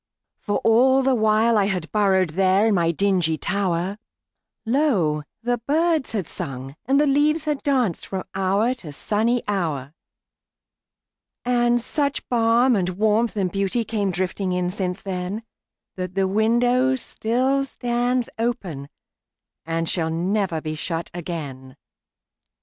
For all the while I had burrowedThere in my dingy tower, Lo! the birds had sung and the leaves had dancedFrom hour to sunny hour. And such balm and warmth and beautyCame drifting in since then, That the window still stands openAnd shall never be shut again.